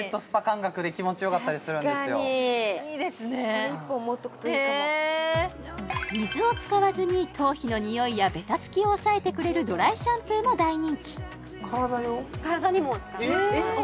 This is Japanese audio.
これ１本持っとくといいかも水を使わずに頭皮のにおいやべたつきを抑えてくれるドライシャンプーも大人気体にも使えます